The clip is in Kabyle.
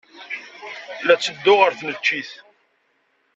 La ttedduɣ ɣer tneččit.